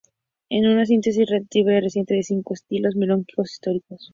Es una síntesis relativamente reciente de cinco estilos melódicos históricos.